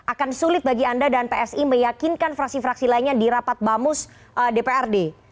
akan sulit bagi anda dan psi meyakinkan fraksi fraksi lainnya di rapat bamus dprd